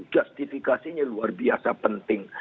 justifikasinya luar biasa penting